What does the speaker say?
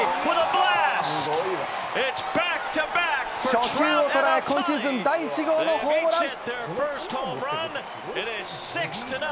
初球をとらえ、今シーズン第１号のホームラン。